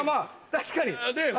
確かに。